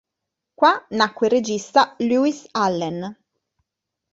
Qua nacque il regista Lewis Allen.